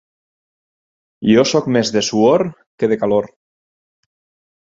Jo soc més de suor que de calor.